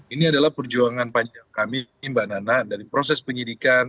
ini adalah perjuangan panjang kami mbak nana dari proses penyidikan